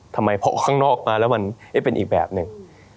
ทำไมพอข้างนอกมาแล้วมันเป็นอีกแบบหนึ่ง